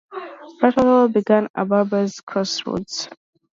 Rutledge began as Barber's Crossroads.